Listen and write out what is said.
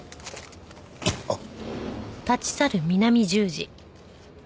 あっ。